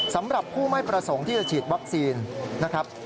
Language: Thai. สำหรับผู้ไม่ประสงค์ที่จะฉีดวัคซีนนะครับ